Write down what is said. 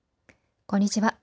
こんにちは。